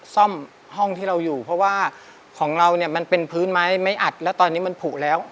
ซ่อมห้องที่เราอยู่เพราะว่าของเราเนี่ยมันเป็นพื้นไม้ไม่อัดแล้วตอนนี้มันผูแล้ว